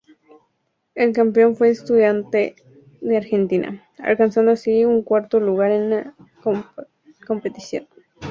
El campeón fue Estudiantes de Argentina, alcanzando así su cuarto título en la competición.